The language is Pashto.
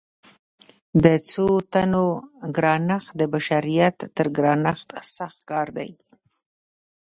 د څو تنو ګرانښت د بشریت تر ګرانښت سخت کار دی.